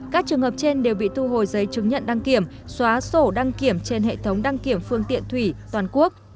các trường hợp trên đều bị thu hồi giấy chứng nhận đăng kiểm xóa sổ đăng kiểm trên hệ thống đăng kiểm phương tiện thủy toàn quốc